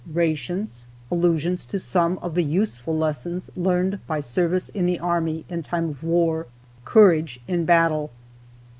RATIONS; ALLUSIONS TO SOME OF THE USEFUL LESSONS LEARNED BY SERVICE IN THE ARMY IN TIME OF WAR. COURAGE IN BATTLE.